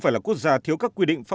em đang định bỏ